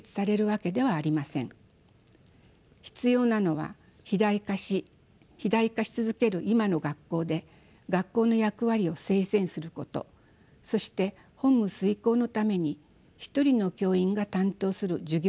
必要なのは肥大化し続ける今の学校で学校の役割を精選することそして本務遂行のために一人の教員が担当する授業